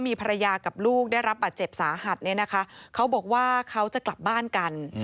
มีภรรยากับลูกได้รับบัตรเจ็บสาหัสแล้วนะคะ